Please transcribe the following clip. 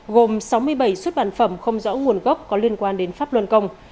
gồm sáu mươi bảy xuất bản phẩm không rõ nguồn gốc có liên quan đến pháp luân công